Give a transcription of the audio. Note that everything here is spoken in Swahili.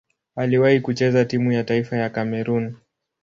Aliwahi kucheza timu ya taifa ya Kamerun.